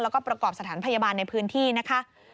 แล้วก็ประกอบสถานพยาบาลในพื้นที่นะคะ